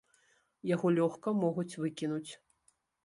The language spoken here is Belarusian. Яго лёгка могуць выкінуць.